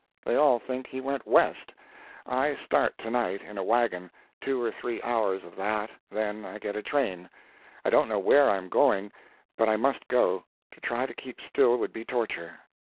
They all think he went west. I start to night, in a wagon two or three hours of that, then I get a train. I don't know where I'm going, but I must go; to try to keep still would be torture.